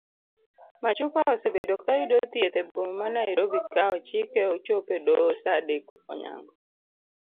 Machupa osebedo kayudo thieth eboma ma nairobi ka ochike ochop edoho saa adek onyango.